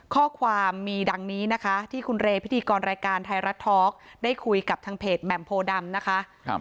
ข้อความมีดังนี้นะคะที่คุณเรพิธีกรรายการไทยรัฐทอล์กได้คุยกับทางเพจแหม่มโพดำนะคะ